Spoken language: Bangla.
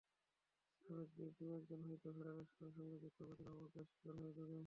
সাবেকদের দু-একজন হয়তো ফেডারেশনের সঙ্গে যুক্ত, বাকিরা অবজ্ঞার শিকার হয়ে দূরে।